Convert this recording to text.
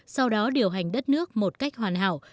sau đó điều hành đất nước một cách hoàn hảo